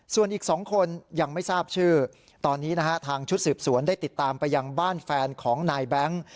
ส่วนอีก๒คนยังไม่ทราบชื่อตอนนี้นะฮะทางชุดสืบสวนได้ติดตามไปยังบ้านแฟนของนายแบงค์